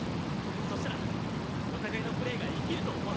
そしたらお互いのプレーが生きると思う。